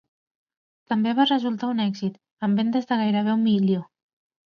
També va resultar un èxit, amb vendes de gairebé un milió.